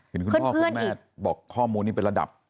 เขื่อนออกมาก็เป็นแล้วพี่คุณพ่อพี่แม่บอกข้อมูลนี้เป็นระดับ